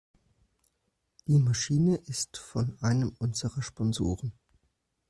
Die Maschine ist von einem unserer Sponsoren.